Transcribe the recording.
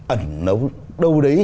ẩn nấu đâu đấy